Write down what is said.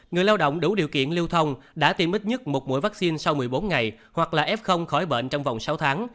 người lao động đủ điều kiện lưu thông đã tiêm ít nhất một mũi vaccine sau một mươi bốn ngày hoặc là f khỏi bệnh trong vòng sáu tháng